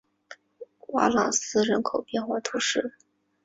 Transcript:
瓦朗斯人口变化图示